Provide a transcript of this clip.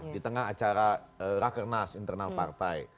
di tengah acara rakernas internal partai